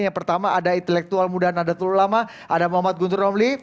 yang pertama ada intelektual muda nadatul ulama ada muhammad guntur romli